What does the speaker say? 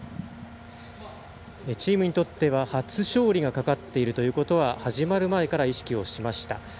チームにとっては初勝利がかかっているということは始まる前から意識をしました。